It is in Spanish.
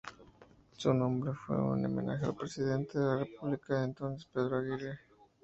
Su nombre fue un homenaje al presidente de la República de entonces: Pedro Aguirre.